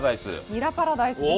にらパラダイスです。